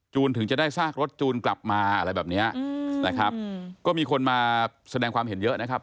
ถึงจะได้ซากรถจูนกลับมาอะไรแบบเนี้ยอืมนะครับก็มีคนมาแสดงความเห็นเยอะนะครับ